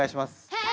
はい！